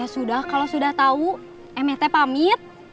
sudah kalau sudah tahu met pamit